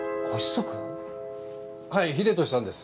はい英利さんです。